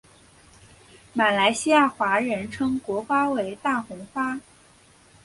马来西亚华人称国花为大红花。